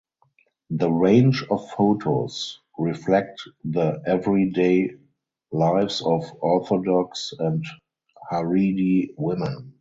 The range of photos reflect the everyday lives of Orthodox and Haredi women.